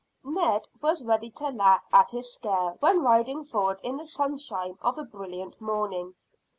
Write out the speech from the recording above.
Ned was ready to laugh at his scare when riding forward in the sunshine of a brilliant morning.